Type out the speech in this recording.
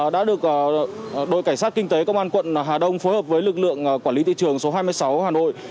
đã được đội cảnh sát kinh tế công an quận hà đông phối hợp với lực lượng quản lý thị trường số hai mươi sáu hà nội